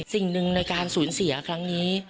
สิ่งหนึ่งในการสูญเสียครั้งนี้